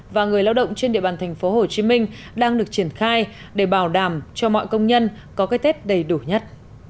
và người lao động trên địa bàn tp hcm đang được triển khai để bảo đảm cho mọi công nhân có cái tết đầy đủ nhất